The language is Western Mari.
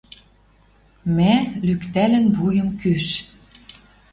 Мӓ, лӱктӓлӹн вуйым кӱш